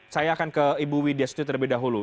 saya akan ke ibu widya stuti terlebih dahulu